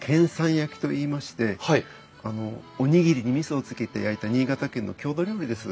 焼きといいましておにぎりにみそをつけて焼いた新潟県の郷土料理です。